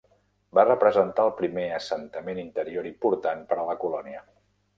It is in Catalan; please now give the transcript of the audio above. Va representar el primer assentament interior important per a la colònia.